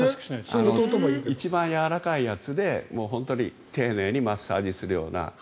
一番やわらかいやつで丁寧にマッサージするような。